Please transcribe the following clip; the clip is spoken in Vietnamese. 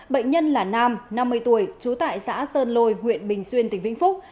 bệnh nhân là nam năm mươi tuổi trú tại xã sơn lôi huyện bình xuyên tỉnh vĩnh phúc